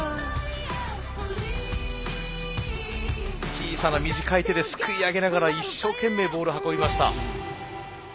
小さな短い手ですくい上げながら一生懸命ボール運びました。